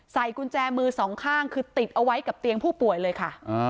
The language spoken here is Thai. กุญแจมือสองข้างคือติดเอาไว้กับเตียงผู้ป่วยเลยค่ะ